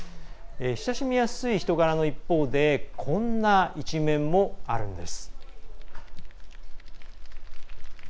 親しみやすい人柄の一方でこんな一面もあるんです。